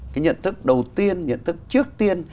cái nhận thức đầu tiên nhận thức trước tiên